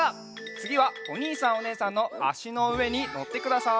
つぎはおにいさんおねえさんのあしのうえにのってください。